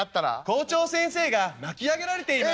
「校長先生が巻き上げられています」。